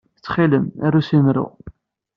Ttxil-m, aru s yemru.